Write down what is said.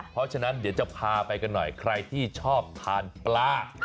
เพราะฉะนั้นเดี๋ยวจะพาไปกันหน่อยใครที่ชอบทานปลา